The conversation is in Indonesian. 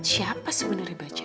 siapa sebenarnya bajaj